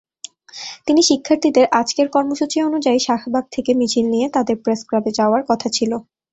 শিক্ষার্থীদের আজকের কর্মসূচি অনুযায়ী শাহবাগ থেকে মিছিল নিয়ে তাঁদের প্রেসক্লাবে যাওয়ার কথা ছিল।